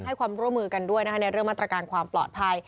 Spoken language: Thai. ให้ความร่วมมือกันด้วยนะคะในเรื่องมาตรการความปลอดภัย